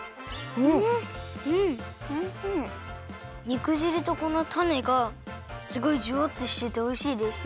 肉じるとこのタネがすごいジュワッとしてておいしいです。